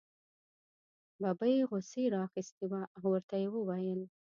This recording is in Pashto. ببۍ غوسې را اخیستې وه او ورته یې وویل.